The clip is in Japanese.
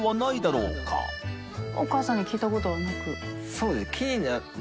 そうですね。